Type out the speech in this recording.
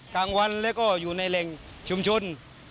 กลางวันแล้วก็อยู่ในแหล่งชุมชน